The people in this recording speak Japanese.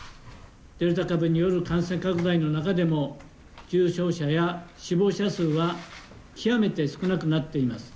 デルタ株による感染拡大の中でも、重症者や死亡者数は極めて少なくなっています。